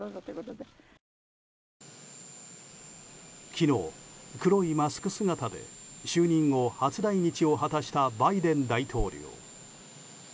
昨日、黒いマスク姿で就任後、初来日を果たしたバイデン大統領。